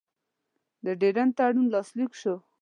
د ډیورنډ تړون لاسلیک شو.